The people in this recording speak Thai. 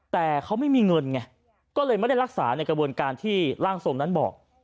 แต่เขาไม่มีเงินไงก็เลยไม่ได้รักษาในกระบวนการที่ร่างทรงนั้นบอก